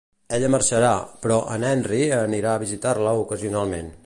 Ella marxarà, però en Henry anirà a visitar-la ocasionalment.